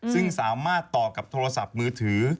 ซึ่งสามารถตอบกับโทรศัพท์มือถือ